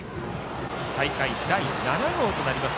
大会第７号となります